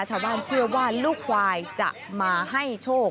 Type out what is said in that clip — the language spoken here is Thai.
ชาวบ้านเชื่อว่าลูกควายจะมาให้โชค